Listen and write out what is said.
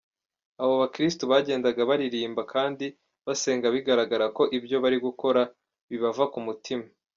Abo bakristu bagendaga baririmba kandi basenga bigaragara ko ibyo bari gukora bibava ku mutima.